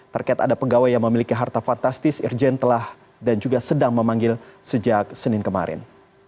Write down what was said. terkait ada pegawai yang memiliki harta fantastis irjen telah dan juga sedang memanggil sejak senin kemarin